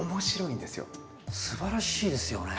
すばらしいですよね。